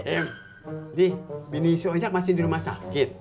im di bini si onyak masih di rumah sakit